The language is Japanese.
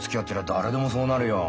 誰でもそうなるよ。